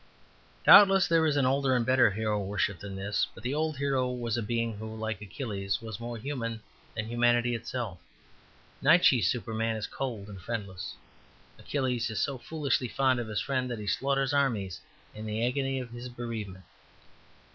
Doubtless there is an older and better hero worship than this. But the old hero was a being who, like Achilles, was more human than humanity itself. Nietzsche's Superman is cold and friendless. Achilles is so foolishly fond of his friend that he slaughters armies in the agony of his bereavement.